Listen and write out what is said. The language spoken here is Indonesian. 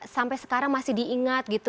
sampai sekarang masih diingat